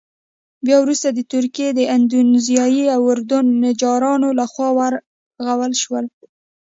بیا وروسته د تركي، اندونيزيايي او اردني نجارانو له خوا ورغول شو.